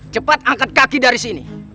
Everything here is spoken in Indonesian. cepat angkat kaki dari sini